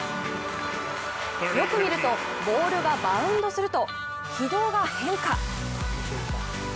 よく見ると、ボールがバウンドすると軌道が変化。